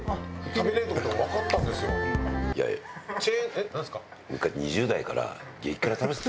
えっなんですか？